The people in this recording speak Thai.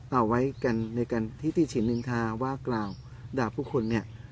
เอาไว้กันในการที่ติฉินนินทาว่ากล่าวด่าผู้คนเนี่ย